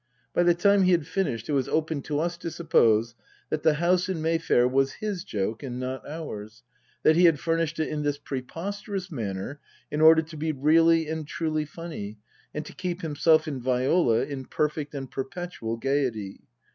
By the time he had finished it was open to us to suppose that the house in Mayfair was his joke and not ours, that he had furnished it in this preposterous manner in order to be really and truly funny, and to keep himself and Viola in perfect and perpetual gaiety.